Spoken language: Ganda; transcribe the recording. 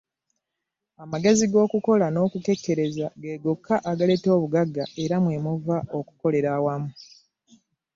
Amagezi g'okukola n'okukekkereza ge gokka agaleeta obugagga era mwe muva okukolera awamu.